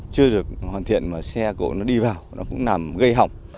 chưa được hoàn thiện mà xe cổ nó đi vào nó cũng nằm gây hỏng